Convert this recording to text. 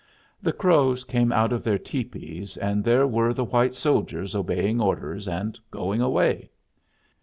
The Crows came out of their tepees, and there were the white soldiers obeying orders and going away.